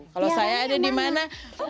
kalau saya ada di mana